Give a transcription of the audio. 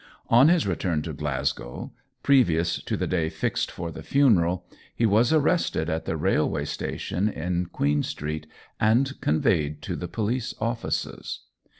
On his return to Glasgow, previous to the day fixed for the funeral, he was arrested at the railway station in Queen Street and conveyed to the police offices.